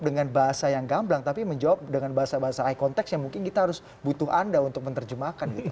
dengan bahasa yang gamblang tapi menjawab dengan bahasa bahasa high context yang mungkin kita harus butuh anda untuk menerjemahkan gitu